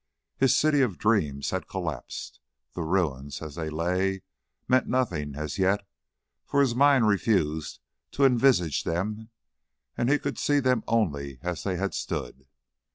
His city of dreams had collapsed. The ruins, as they lay, meant nothing as yet, for his mind refused to envisage them and he could see them only as they had stood.